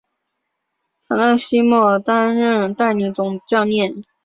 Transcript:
卡勒西莫担任代理总教练。